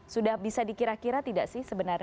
sudah bisa dikira kira tidak sih sebenarnya